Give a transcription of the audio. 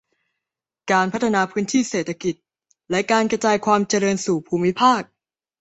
การพัฒนาพื้นที่เศรษฐกิจและการกระจายความเจริญสู่ภูมิภาค